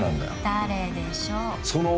誰でしょう？